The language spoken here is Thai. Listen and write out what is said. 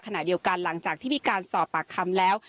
ขณะเดียวกันหลังจากที่มีการสอบปากคำแล้ว